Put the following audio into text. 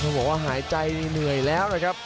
บอกว่าหายใจเหนื่อยแล้วนะครับ